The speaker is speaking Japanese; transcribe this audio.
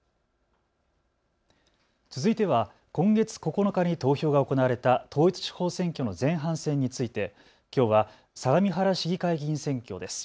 続いては今月９日に投票が行われた統一地方選挙の前半戦について、きょうは相模原市議会議員選挙です。